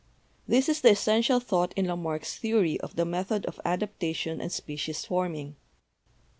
This is the essential thought in Lamarck's the ory of the method of adaptation and species forming.